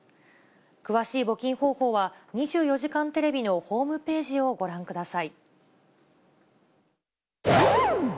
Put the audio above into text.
詳しい募金方法は、２４時間テレビのホームページをご覧ください。